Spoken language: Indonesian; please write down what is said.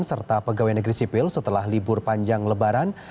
serta pegawai negeri sipil setelah libur panjang lebaran